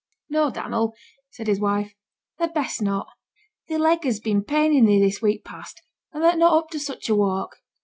'No, Dannel,' said his wife; 'thou'd best not. Thy leg has been paining thee this week past, and thou'rt not up to such a walk.